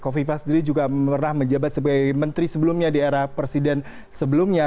kofifa sendiri juga pernah menjabat sebagai menteri sebelumnya di era presiden sebelumnya